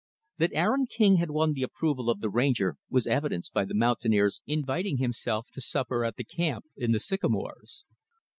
That Aaron King had won the approval of the Ranger was evidenced by the mountaineer's inviting himself to supper the camp in the sycamores.